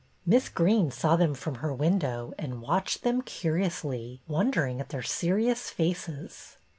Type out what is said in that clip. Miss Greene saw them from her win dow and watched them curiously, wondering at their serious faces.